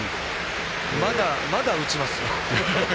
まだ打ちますよ。